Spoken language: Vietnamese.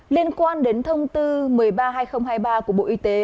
liên quan đến thông tư một mươi ba hai nghìn hai mươi ba của bộ y tế